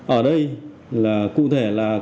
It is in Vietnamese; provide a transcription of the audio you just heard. ở đây là cụ thể là